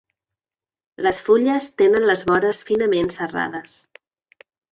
Les fulles tenen les vores finament serrades.